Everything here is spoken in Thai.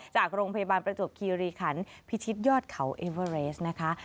จากโรงพยาบาลประจวบคีรีขันพิชิตยอดเขาเอเวอร์เรสนะคะ